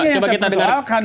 coba kita dengarkan